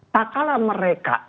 tak kalah mereka